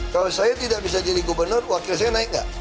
kalau saya tidak bisa jadi gubernur wakil saya naik nggak